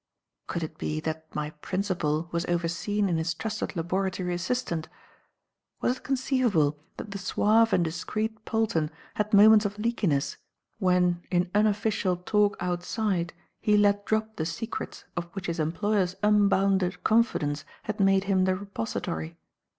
Could it be that my principal was overseen in his trusted laboratory assistant? Was it conceivable that the suave and discreet Polton had moments of leakiness, when, in unofficial talk outside, he let drop the secrets of which his employer's unbounded confidence had made him the repository?